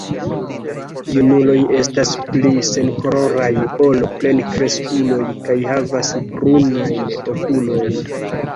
Junuloj estas pli senkoloraj ol plenkreskuloj kaj havas brunajn okulojn.